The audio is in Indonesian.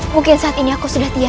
mungkin saat ini aku sudah tiada sheikh